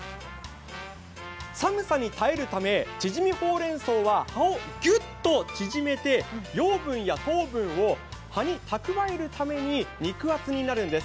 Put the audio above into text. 寒さに耐えるため、ちぢみほうれん草は葉をぎゅっと縮めて、養分や糖分を葉に蓄えるために肉厚になるんです。